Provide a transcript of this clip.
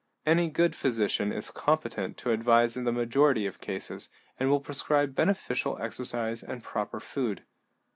Any good physician is competent to advise in the majority of cases, and will prescribe beneficial exercise and proper food.